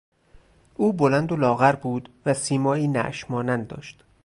او بلند و لاغر بود و سیمایی نعش مانند داشت.